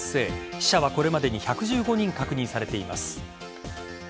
死者はこれまでに１１５人確認されています。